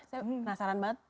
saya penasaran banget